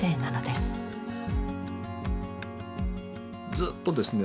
ずっとですね